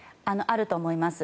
あると思います。